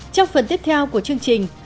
trong phần tiếp theo của chương trình